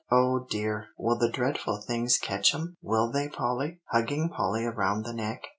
"Oh, dear! will the dreadful things catch 'em? Will they, Polly?" hugging Polly around the neck.